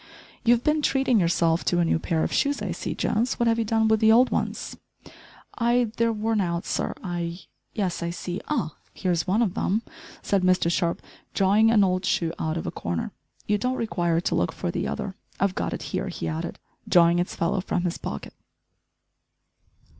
"You've been treating yourself to a new pair of shoes, I see, Jones, what have you done with the old ones?" "I they're worn out, sir I " "Yes, I see ah! here is one of them," said Mr Sharp, drawing an old shoe out of a corner; "you don't require to look for the other, I've got it here," he added, drawing its fellow from his pocket.